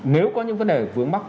nếu có những vấn đề vướng mắc